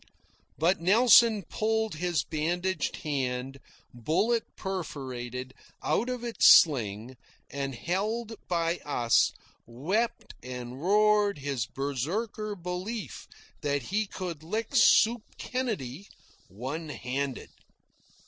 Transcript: But Nelson pulled his bandaged hand, bullet perforated, out of its sling, and, held by us, wept and roared his Berserker belief that he could lick Soup Kennedy one handed.